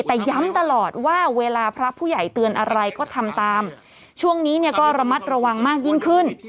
แต่ย้ำตลอดว่าเวลาพระผู้ใหญ่เตือนอะไรก็ทำตามช่วงนี้เนี่ยก็ระมัดระวังมากยิ่งขึ้น